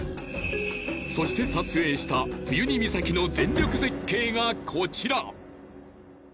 そして撮影したプユニ岬の全力絶景がコチラ！